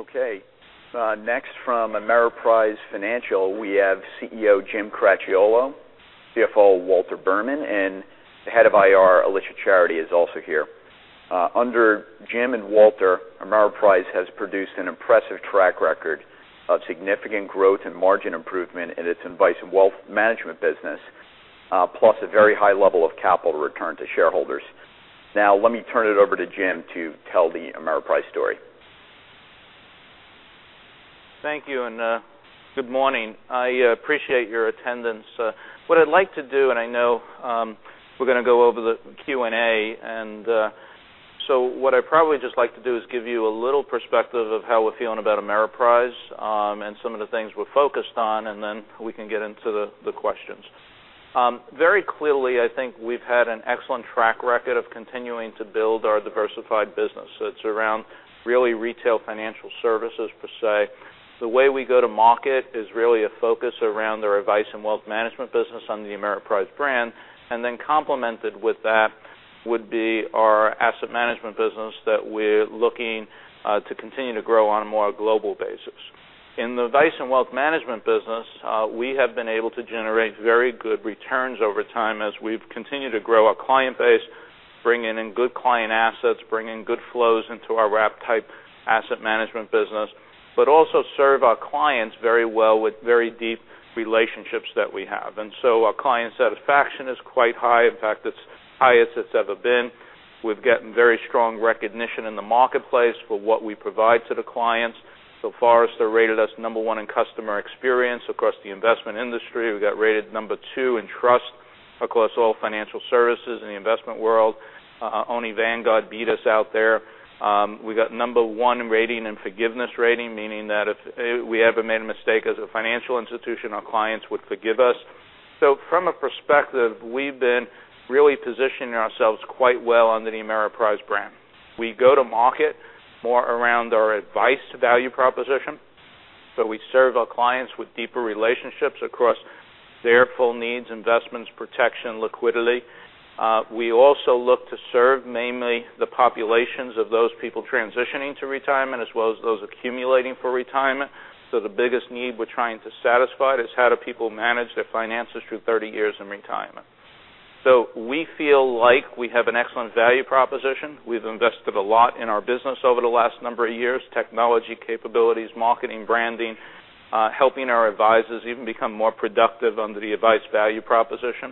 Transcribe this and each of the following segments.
Okay. Next from Ameriprise Financial, we have CEO Jim Cracchiolo, CFO Walter Berman, and the Head of IR, Alicia Charity is also here. Under Jim and Walter, Ameriprise has produced an impressive track record of significant growth and margin improvement in its advice and wealth management business, plus a very high level of capital return to shareholders. Let me turn it over to Jim to tell the Ameriprise story. Thank you, and good morning. I appreciate your attendance. What I'd like to do, and I know we're going to go over the Q&A, and so what I'd probably just like to do is give you a little perspective of how we're feeling about Ameriprise, and some of the things we're focused on, and then we can get into the questions. Very clearly, I think we've had an excellent track record of continuing to build our diversified business. It's around really retail financial services, per se. The way we go to market is really a focus around our advice and wealth management business under the Ameriprise brand, and then complemented with that would be our asset management business that we're looking to continue to grow on a more global basis. In the advice and wealth management business, we have been able to generate very good returns over time as we've continued to grow our client base, bringing in good client assets, bringing good flows into our wrap-type asset management business. Also serve our clients very well with very deep relationships that we have. Our client satisfaction is quite high. In fact, it's highest it's ever been. We've gotten very strong recognition in the marketplace for what we provide to the clients. Forrester rated us number one in customer experience across the investment industry. We got rated number two in trust across all financial services in the investment world. Only Vanguard beat us out there. We got number one rating in Forgiveness Ratings, meaning that if we ever made a mistake as a financial institution, our clients would forgive us. From a perspective, we've been really positioning ourselves quite well under the Ameriprise brand. We go to market more around our advice value proposition, but we serve our clients with deeper relationships across their full needs, investments, protection, liquidity. We also look to serve mainly the populations of those people transitioning to retirement as well as those accumulating for retirement. The biggest need we're trying to satisfy is how do people manage their finances through 30 years in retirement. We feel like we have an excellent value proposition. We've invested a lot in our business over the last number of years, technology capabilities, marketing, branding, helping our advisors even become more productive under the advice value proposition.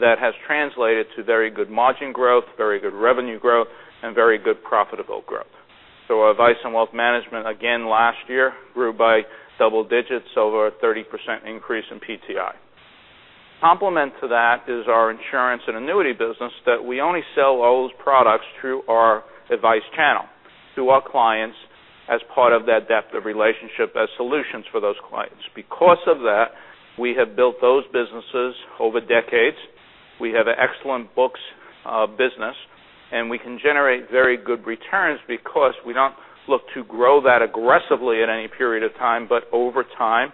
That has translated to very good margin growth, very good revenue growth, and very good profitable growth. Our advice on wealth management again last year grew by double digits, over a 30% increase in PTI. Complement to that is our insurance and annuity business that we only sell those products through our advice channel to our clients as part of that depth of relationship as solutions for those clients. Because of that, we have built those businesses over decades. We have an excellent books business, and we can generate very good returns because we don't look to grow that aggressively at any period of time, but over time.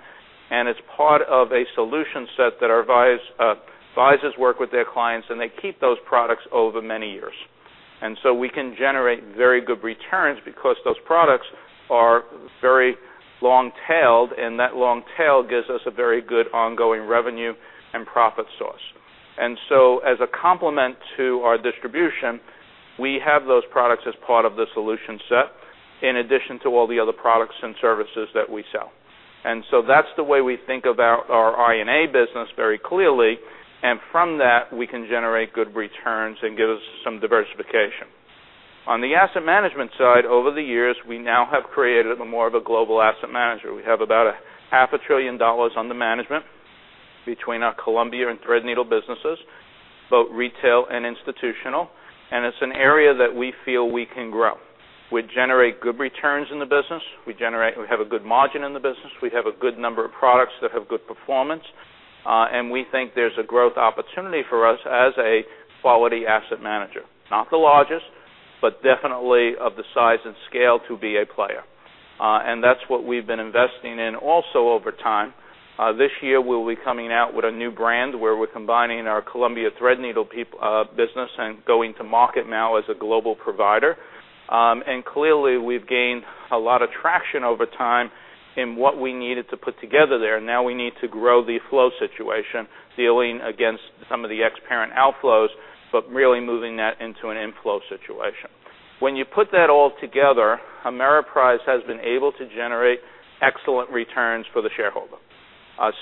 It's part of a solution set that our advisors work with their clients, and they keep those products over many years. We can generate very good returns because those products are very long-tailed, and that long tail gives us a very good ongoing revenue and profit source. As a complement to our distribution, we have those products as part of the solution set in addition to all the other products and services that we sell. That's the way we think about our INA business very clearly. From that, we can generate good returns and give us some diversification. On the asset management side, over the years, we now have created more of a global asset manager. We have about a half a trillion dollars under management between our Columbia and Threadneedle businesses, both retail and institutional. It's an area that we feel we can grow. We generate good returns in the business. We have a good margin in the business. We have a good number of products that have good performance. We think there's a growth opportunity for us as a quality asset manager. Not the largest, but definitely of the size and scale to be a player. That's what we've been investing in also over time. This year, we'll be coming out with a new brand where we're combining our Columbia Threadneedle business and going to market now as a global provider. Clearly, we've gained a lot of traction over time in what we needed to put together there. Now we need to grow the flow situation, dealing against some of the ex-parent outflows, but really moving that into an inflow situation. When you put that all together, Ameriprise has been able to generate excellent returns for the shareholder.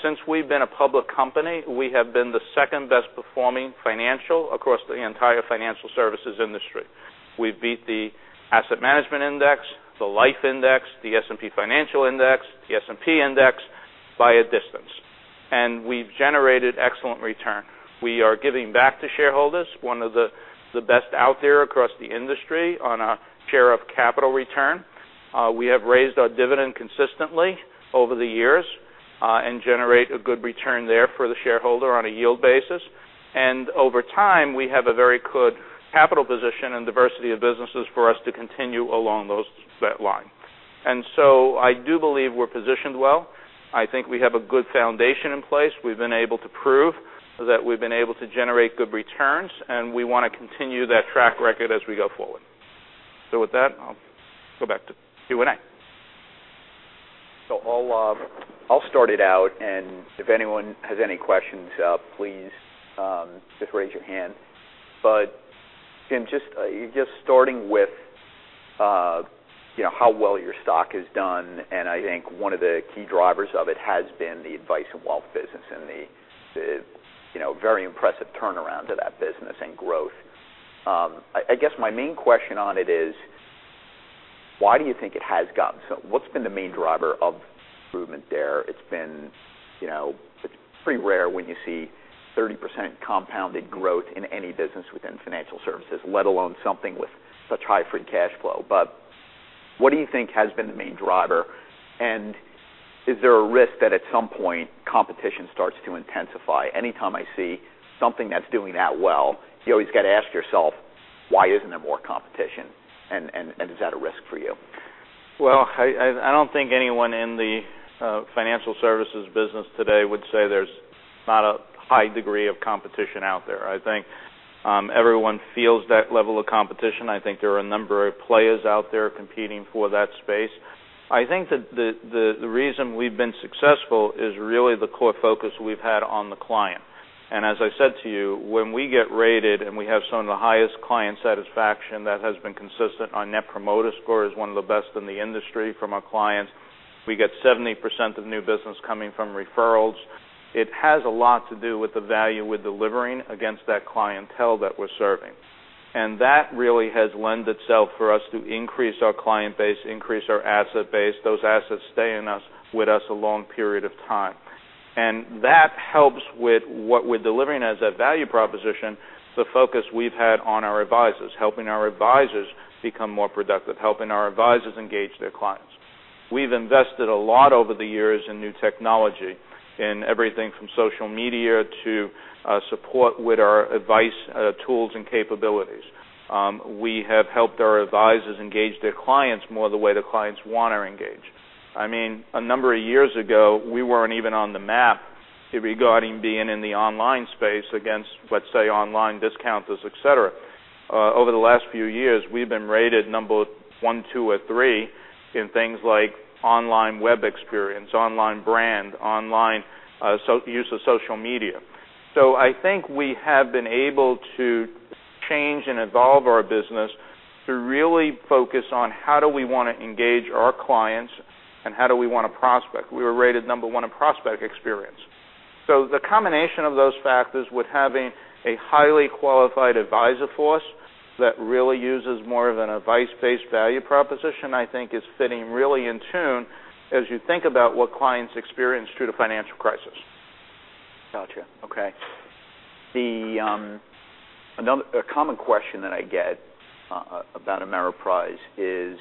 Since we've been a public company, we have been the second-best-performing financial across the entire financial services industry. We beat the asset management index, the life index, the S&P financial index, the S&P index by a distance. We've generated excellent return. We are giving back to shareholders, one of the best out there across the industry on a share of capital return. We have raised our dividend consistently over the years, and generate a good return there for the shareholder on a yield basis. Over time, we have a very good capital position and diversity of businesses for us to continue along that line. I do believe we're positioned well. I think we have a good foundation in place. We've been able to prove that we've been able to generate good returns, and we want to continue that track record as we go forward. With that, I'll go back to Q&A. I'll start it out, and if anyone has any questions, please just raise your hand. Jim, just starting with how well your stock has done, and I think one of the key drivers of it has been the advice and wealth business and the very impressive turnaround of that business and growth. I guess my main question on it is, why do you think it has gotten so, what's been the main driver of improvement there? It's pretty rare when you see 30% compounded growth in any business within financial services, let alone something with such high free cash flow. What do you think has been the main driver? And is there a risk that at some point, competition starts to intensify? Anytime I see something that's doing that well, you always got to ask yourself, why isn't there more competition? Is that a risk for you? Well, I don't think anyone in the financial services business today would say there's not a high degree of competition out there. I think everyone feels that level of competition. I think there are a number of players out there competing for that space. I think that the reason we've been successful is really the core focus we've had on the client. As I said to you, when we get rated, and we have some of the highest client satisfaction that has been consistent, our Net Promoter score is one of the best in the industry from our clients. We get 70% of new business coming from referrals. It has a lot to do with the value we're delivering against that clientele that we're serving. That really has lent itself for us to increase our client base, increase our asset base. Those assets stay with us a long period of time. That helps with what we're delivering as a value proposition, the focus we've had on our advisors, helping our advisors become more productive, helping our advisors engage their clients. We've invested a lot over the years in new technology, in everything from social media to support with our advice, tools, and capabilities. We have helped our advisors engage their clients more the way the clients want to engage. I mean, a number of years ago, we weren't even on the map regarding being in the online space against, let's say, online discounters, et cetera. Over the last few years, we've been rated number one, two, or three in things like online web experience, online brand, online use of social media. I think we have been able to change and evolve our business to really focus on how do we want to engage our clients and how do we want to prospect. We were rated number one in prospect experience. The combination of those factors with having a highly qualified advisor force that really uses more of an advice-based value proposition, I think, is fitting really in tune as you think about what clients experienced through the financial crisis. Got you. Okay. A common question that I get about Ameriprise is,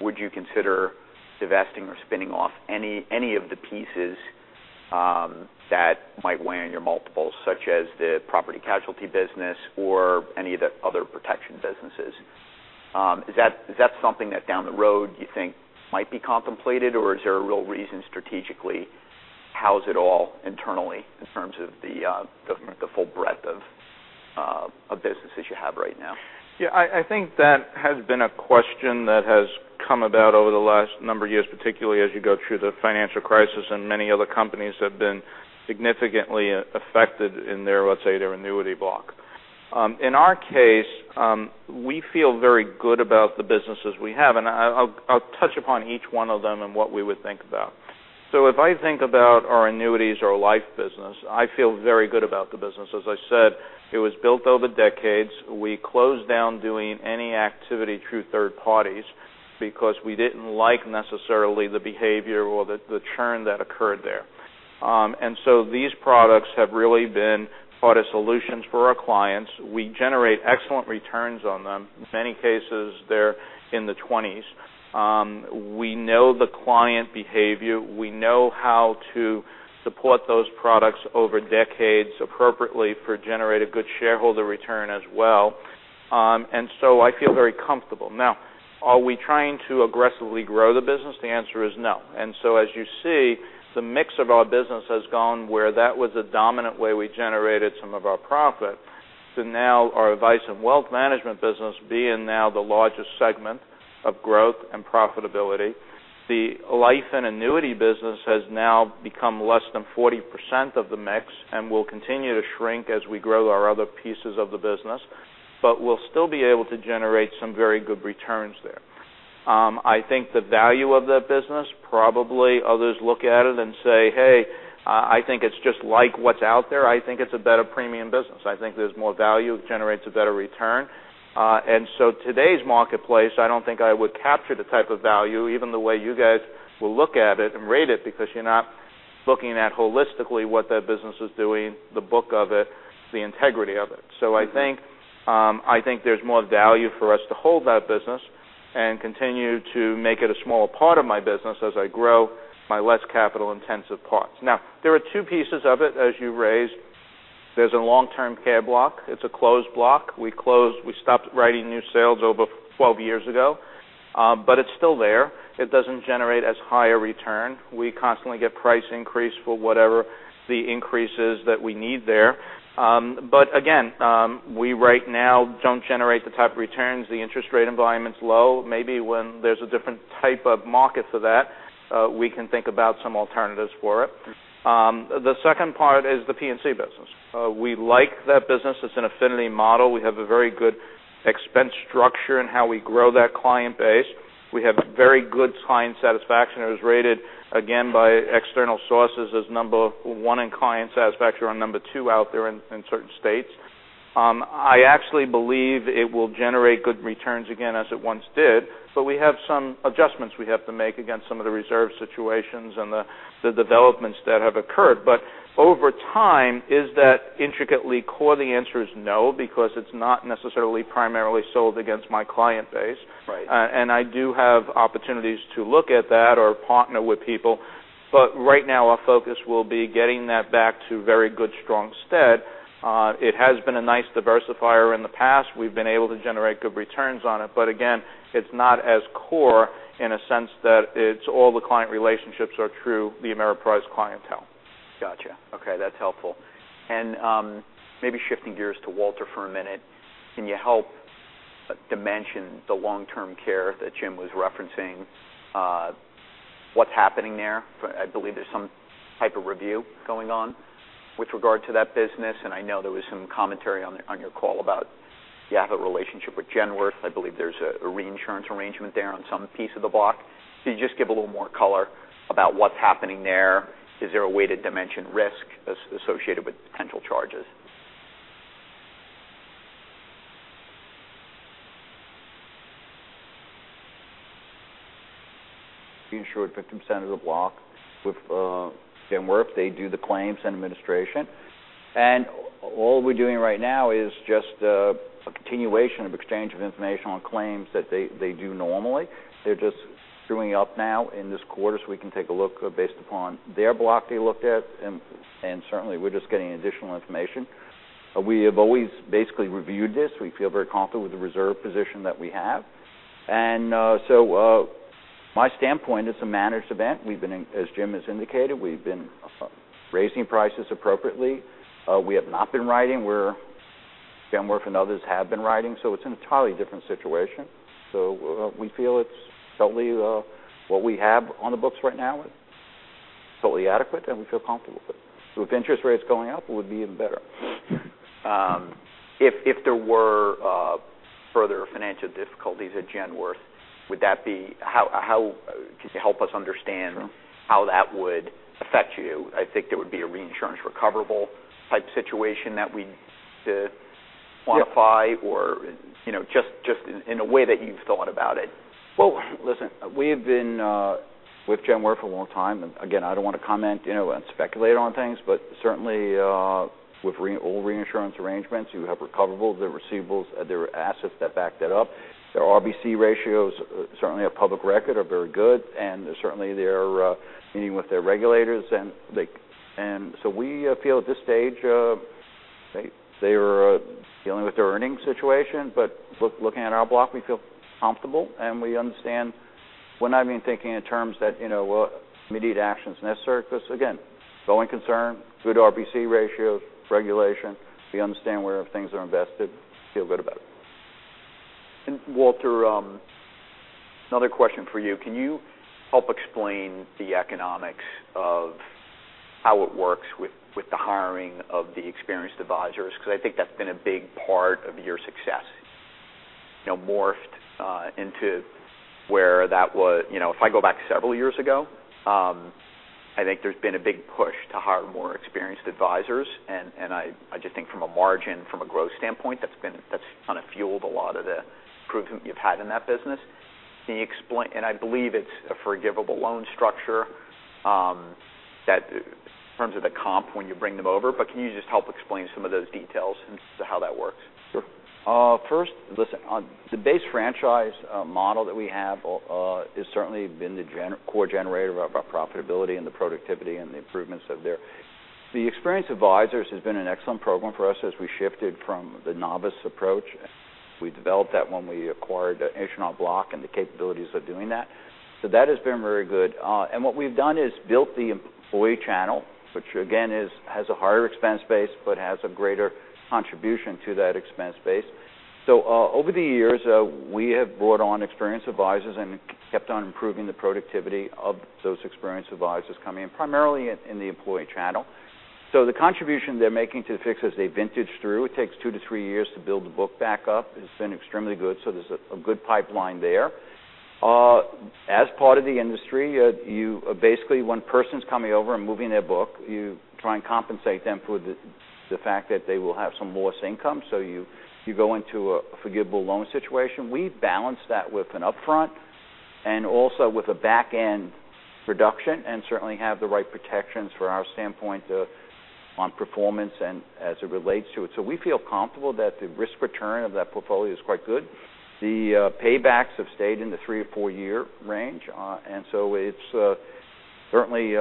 would you consider divesting or spinning off any of the pieces that might weigh on your multiples, such as the property casualty business or any of the other protection businesses? Is that something that down the road you think might be contemplated, or is there a real reason strategically to house it all internally in terms of the full breadth of businesses you have right now? I think that has been a question that has come about over the last number of years, particularly as you go through the financial crisis, and many other companies have been significantly affected in their, let's say, their annuity block. In our case, we feel very good about the businesses we have, and I'll touch upon each one of them and what we would think about. If I think about our annuities, our life business, I feel very good about the business. As I said, it was built over decades. We closed down doing any activity through third parties because we didn't like necessarily the behavior or the churn that occurred there. These products have really been thought of solutions for our clients. We generate excellent returns on them. In many cases, they're in the 20s. We know the client behavior. We know how to support those products over decades appropriately for generating good shareholder return as well. I feel very comfortable. Now, are we trying to aggressively grow the business? The answer is no. As you see, the mix of our business has gone where that was a dominant way we generated some of our profit to now our advice and wealth management business being now the largest segment of growth and profitability. The life and annuity business has now become less than 40% of the mix and will continue to shrink as we grow our other pieces of the business. We'll still be able to generate some very good returns there. I think the value of that business, probably others look at it and say, "Hey, I think it's just like what's out there. I think it's a better premium business. I think there's more value. It generates a better return." Today's marketplace, I don't think I would capture the type of value, even the way you guys will look at it and rate it, because you're not looking at holistically what that business is doing, the book of it, the integrity of it. I think there's more value for us to hold that business and continue to make it a smaller part of my business as I grow my less capital-intensive parts. There are two pieces of it as you raised. There's a long-term care block. It's a closed block. We stopped writing new sales over 12 years ago, but it's still there. It doesn't generate as high a return. We constantly get price increase for whatever the increase is that we need there. We right now don't generate the type of returns. The interest rate environment's low. Maybe when there's a different type of market for that, we can think about some alternatives for it. The second part is the P&C business. We like that business. It's an affinity model. We have a very good expense structure in how we grow that client base. We have very good client satisfaction. It was rated, again, by external sources as number 1 in client satisfaction or number 2 out there in certain states. I actually believe it will generate good returns again as it once did, but we have some adjustments we have to make against some of the reserve situations and the developments that have occurred. Over time, is that intricately core? The answer is no, because it's not necessarily primarily sold against my client base. Right. I do have opportunities to look at that or partner with people. Right now, our focus will be getting that back to very good, strong stead. It has been a nice diversifier in the past. We've been able to generate good returns on it. It's not as core in a sense that it's all the client relationships are through the Ameriprise clientele. Got you. That's helpful. Maybe shifting gears to Walter for a minute, can you help dimension the long-term care that Jim was referencing? What's happening there? I believe there's some type of review going on with regard to that business, and I know there was some commentary on your call about you have a relationship with Genworth. I believe there's a reinsurance arrangement there on some piece of the block. Can you just give a little more color about what's happening there? Is there a way to dimension risk associated with potential charges? The insured victim center of the block with Genworth, they do the claims and administration. All we're doing right now is just a continuation of exchange of information on claims that they do normally. They're just doing up now in this quarter, so we can take a look based upon their block they looked at, certainly, we're just getting additional information. We have always basically reviewed this. We feel very confident with the reserve position that we have. My standpoint, it's a managed event. As Jim has indicated, we've been raising prices appropriately. We have not been writing. Genworth and others have been writing, so it's an entirely different situation. We feel it's totally what we have on the books right now is totally adequate, and we feel comfortable with it. With interest rates going up, it would be even better. If there were further financial difficulties at Genworth, could you help us understand how that would affect you? I think there would be a reinsurance recoverable type situation that we'd quantify, or just in a way that you've thought about it. Well, listen, we have been with Genworth for a long time. Again, I don't want to comment and speculate on things, but certainly, with old reinsurance arrangements, you have recoverables, the receivables, there are assets that back that up. Their RBC ratios, certainly a public record, are very good, and certainly they're meeting with their regulators. We feel at this stage, they are dealing with their earnings situation. Looking at our block, we feel comfortable, and we understand we're not even thinking in terms that immediate action is necessary because, again, going concern, good RBC ratio, regulation. We understand where things are invested, feel good about it. Walter, another question for you. Can you help explain the economics of how it works with the hiring of the experienced advisors? Because I think that's been a big part of your success, morphed into where that was. If I go back several years ago, I think there's been a big push to hire more experienced advisors, and I just think from a margin, from a growth standpoint, that's kind of fueled a lot of the improvement you've had in that business. Can you explain? I believe it's a forgivable loan structure that in terms of the comp when you bring them over, but can you just help explain some of those details as to how that works? Sure. First, the base franchise model that we have has certainly been the core generator of our profitability and the productivity and the improvements that are there. The experienced advisors has been an excellent program for us as we shifted from the novice approach. We developed that when we acquired H&R Block Financial Advisors and the capabilities of doing that. That has been very good. What we've done is built the employee channel, which again, has a higher expense base but has a greater contribution to that expense base. Over the years, we have brought on experienced advisors and kept on improving the productivity of those experienced advisors coming in, primarily in the employee channel. The contribution they're making to the fix as they vintage through, it takes two to three years to build the book back up. It's been extremely good, so there's a good pipeline there. As part of the industry, basically, one person's coming over and moving their book. You try and compensate them for the fact that they will have some lost income. You go into a forgivable loan situation. We balance that with an upfront and also with a back end reduction, and certainly have the right protections from our standpoint on performance and as it relates to it. We feel comfortable that the risk return of that portfolio is quite good. The paybacks have stayed in the three to four year range. It's Certainly,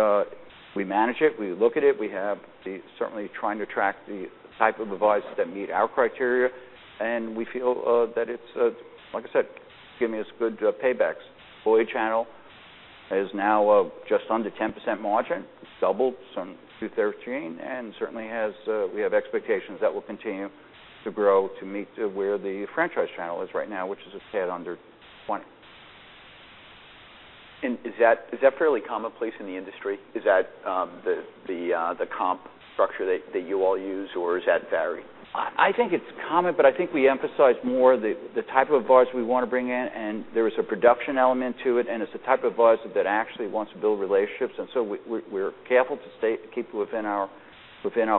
we manage it, we look at it. We have certainly trying to track the type of advisors that meet our criteria, and we feel that it's, like I said, giving us good paybacks. Employee channel is now just under 10% margin, doubled from 2013, and certainly we have expectations that will continue to grow to meet where the franchise channel is right now, which is a tad under 20. Is that fairly commonplace in the industry? Is that the comp structure that you all use, or does that vary? I think it's common, but I think we emphasize more the type of advisors we want to bring in, and there is a production element to it, and it's the type of advisor that actually wants to build relationships. We're careful to keep within our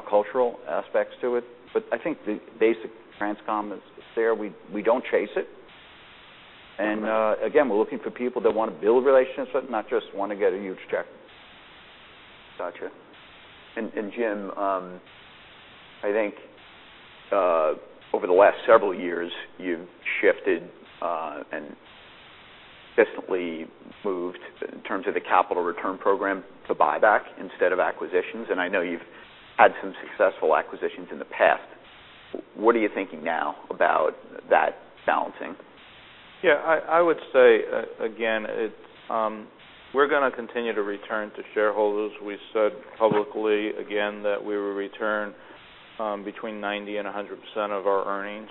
cultural aspects to it. I think the basic transaction commission is fair. We don't chase it. Okay. Again, we're looking for people that want to build relationships with, not just want to get a huge check. Got you. And Jim, I think over the last several years, you've shifted and consistently moved in terms of the capital return program to buyback instead of acquisitions, and I know you've had some successful acquisitions in the past. What are you thinking now about that balancing? Yeah. I would say, again, we're going to continue to return to shareholders. We said publicly again that we will return between 90%-100% of our earnings.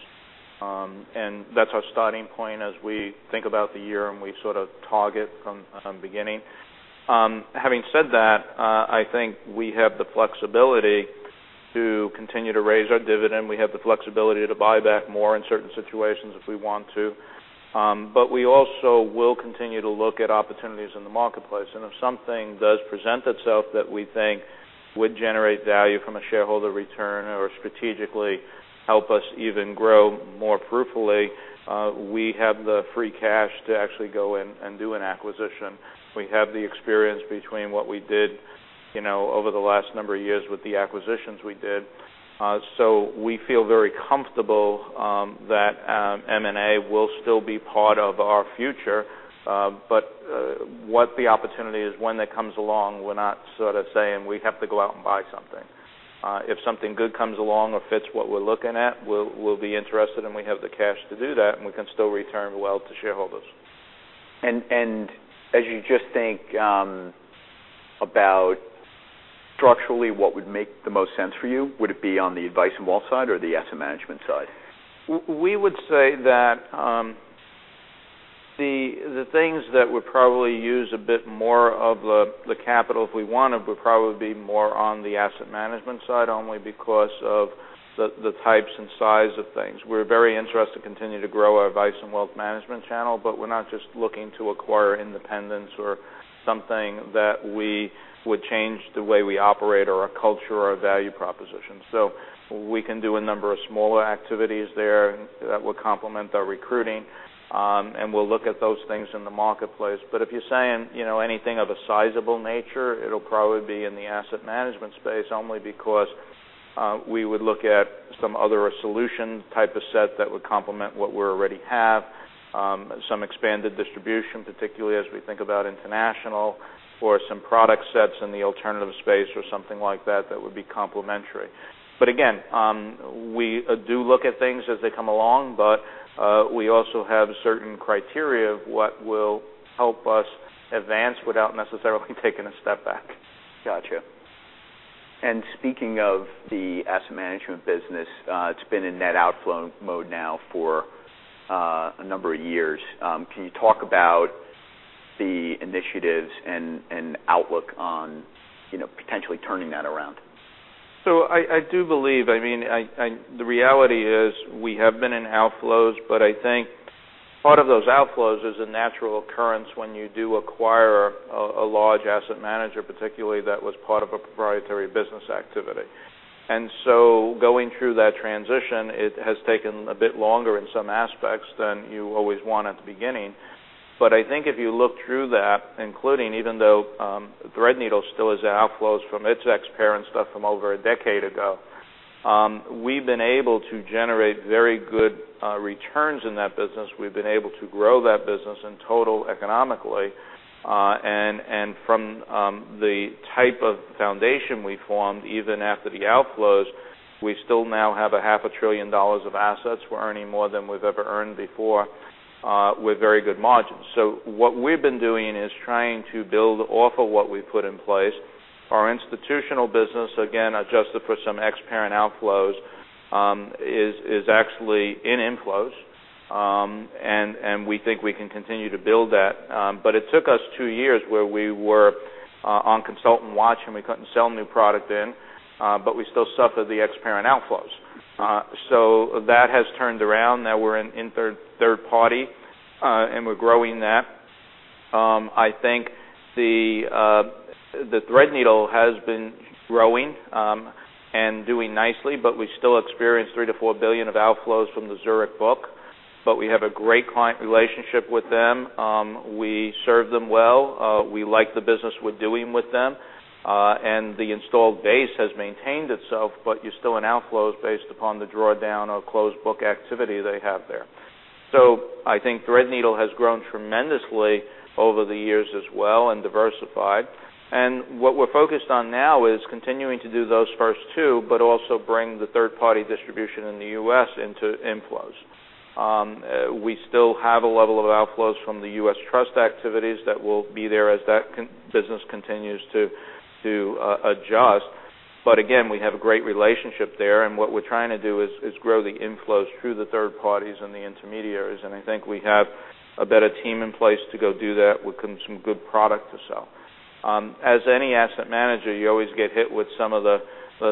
That's our starting point as we think about the year, and we sort of target from beginning. Having said that, I think we have the flexibility to continue to raise our dividend. We have the flexibility to buy back more in certain situations if we want to. We also will continue to look at opportunities in the marketplace, and if something does present itself that we think would generate value from a shareholder return or strategically help us even grow more profitably, we have the free cash to actually go in and do an acquisition. We have the experience between what we did over the last number of years with the acquisitions we did. We feel very comfortable that M&A will still be part of our future. What the opportunity is when that comes along, we're not sort of saying we have to go out and buy something. If something good comes along or fits what we're looking at, we'll be interested, and we have the cash to do that, and we can still return well to shareholders. As you just think about structurally what would make the most sense for you, would it be on the advice and wealth side or the asset management side? We would say that the things that would probably use a bit more of the capital if we want to would probably be more on the asset management side, only because of the types and size of things. We're very interested to continue to grow our Advice & Wealth Management channel, but we're not just looking to acquire independents or something that we would change the way we operate or our culture or our value proposition. We can do a number of smaller activities there that will complement our recruiting, and we'll look at those things in the marketplace. If you're saying anything of a sizable nature, it'll probably be in the asset management space only because we would look at some other solution type of set that would complement what we already have, some expanded distribution, particularly as we think about international, or some product sets in the alternative space or something like that that would be complementary. Again, we do look at things as they come along, but we also have certain criteria of what will help us advance without necessarily taking a step back. Got you. Speaking of the asset management business, it's been in net outflow mode now for a number of years. Can you talk about the initiatives and outlook on potentially turning that around? I do believe, the reality is we have been in outflows, I think part of those outflows is a natural occurrence when you do acquire a large asset manager, particularly that was part of a proprietary business activity. Going through that transition, it has taken a bit longer in some aspects than you always want at the beginning. I think if you look through that, including even though Threadneedle still has outflows from its ex-parent stuff from over a decade ago, we've been able to generate very good returns in that business. We've been able to grow that business in total economically. From the type of foundation we formed, even after the outflows, we still now have a half a trillion dollars of assets. We're earning more than we've ever earned before with very good margins. What we've been doing is trying to build off of what we've put in place. Our institutional business, again, adjusted for some ex-parent outflows, is actually in inflows. We think we can continue to build that. It took us 2 years where we were on consultant watch, we couldn't sell new product then. We still suffered the ex-parent outflows. That has turned around. Now we're in third party, we're growing that. I think the Threadneedle has been growing and doing nicely, we still experience $3 billion-$4 billion of outflows from the Zurich book. We have a great client relationship with them. We serve them well. We like the business we're doing with them. The installed base has maintained itself, you're still in outflows based upon the drawdown or closed book activity they have there. I think Threadneedle has grown tremendously over the years as well and diversified. What we're focused on now is continuing to do those first 2, also bring the third-party distribution in the U.S. into inflows. We still have a level of outflows from the U.S. Trust activities that will be there as that business continues to adjust. Again, we have a great relationship there, what we're trying to do is grow the inflows through the third parties and the intermediaries, I think we have a better team in place to go do that with some good product to sell. As any asset manager, you always get hit with some of the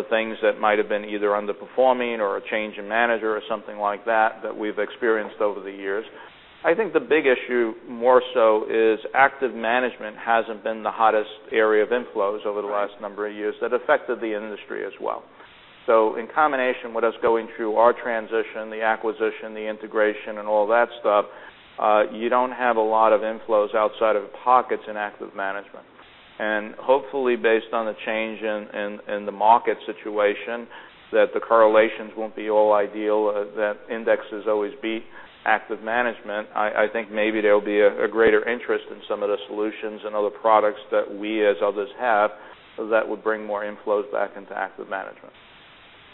things that might have been either underperforming or a change in manager or something like that we've experienced over the years. I think the big issue more so is active management hasn't been the hottest area of inflows over the last number of years. That affected the industry as well. In combination with us going through our transition, the acquisition, the integration and all that stuff, you don't have a lot of inflows outside of pockets in active management. Hopefully, based on the change in the market situation, that the correlations won't be all ideal, that indexes always beat active management. I think maybe there'll be a greater interest in some of the solutions and other products that we as others have, that would bring more inflows back into active management.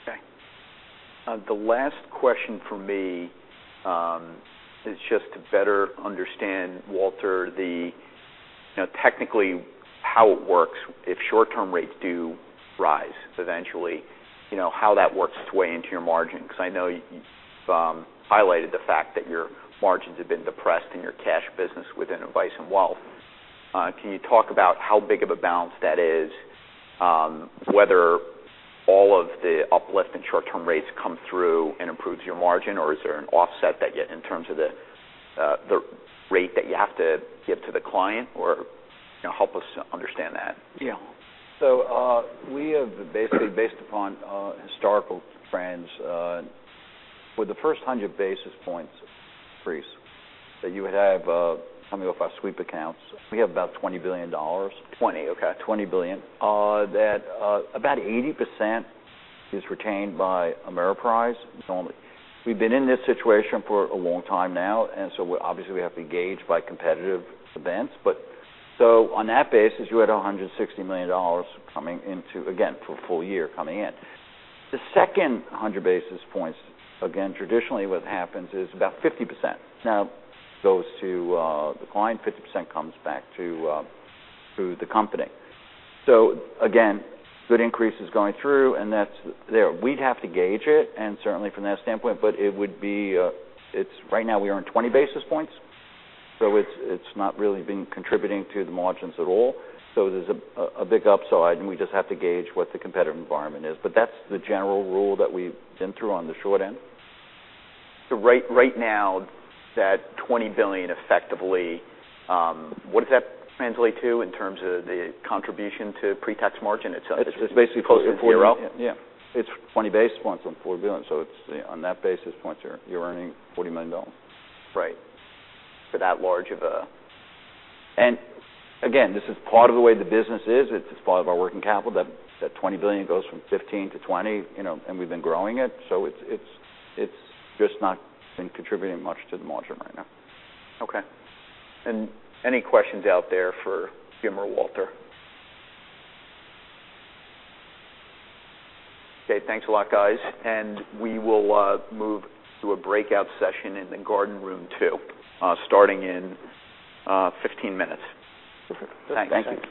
Okay. The last question from me is just to better understand, Walter, technically how it works. If short-term rates do rise eventually, how that works its way into your margin. Because I know you highlighted the fact that your margins have been depressed in your cash business within advice and wealth. Can you talk about how big of a balance that is? Whether all of the uplift in short-term rates come through and improves your margin, or is there an offset in terms of the rate that you have to give to the client? Help us understand that. Yeah. We have basically based upon historical trends. With the first 100 basis points increase, that you would have, tell me if I sweep accounts, we have about $20 billion. 20. Okay. $20 billion. That about 80% is retained by Ameriprise. We've been in this situation for a long time now. Obviously we have to gauge by competitive events. On that basis, you had $160 million coming into, again, for a full year coming in. The second 100 basis points, again, traditionally what happens is about 50% now goes to the client, 50% comes back to the company. Again, good increase is going through, and that's there. We'd have to gauge it, and certainly from that standpoint, but it would be. Right now we earn 20 basis points. It's not really been contributing to the margins at all. There's a big upside, and we just have to gauge what the competitive environment is. That's the general rule that we've been through on the short end. Right now, that $20 billion, effectively, what does that translate to in terms of the contribution to pre-tax margin? It's basically closer to zero. Yeah. It's 20 basis points on $4 billion. It's on that basis point you're earning $40 million. Right. For that large of a Again, this is part of the way the business is. It's part of our working capital. That $20 billion goes from $15-$20, and we've been growing it, so it's just not been contributing much to the margin right now. Okay. Any questions out there for Jim or Walter? Okay, thanks a lot, guys. We will move to a breakout session in the Garden Room 2 starting in 15 minutes. Super. Thanks.